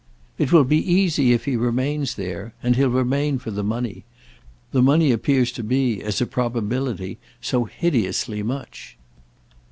"It will be easy if he remains there—and he'll remain for the money. The money appears to be, as a probability, so hideously much."